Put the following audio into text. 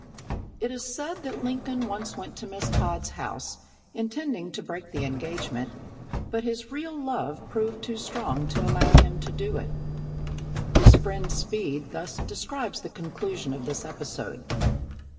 It is said that Lincoln once went to Miss Todd's house, intending to break the engagement, but his real love proved too strong to allow him to do it. His friend, Speed, thus describes the conclusion of this episode.